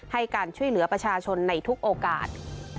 ให้การช่วยเหลือประชาชนในทุกโอกาส